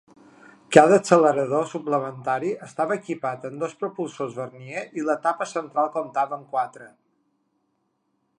Cada accelerador suplementari estava equipat amb dos propulsors vernier i l'etapa central comptava amb quatre.